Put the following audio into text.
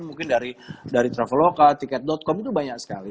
mungkin dari travel local ticket com itu banyak sekali